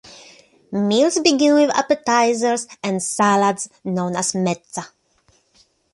Meals begin with appetizers and salads - known as "Mezza".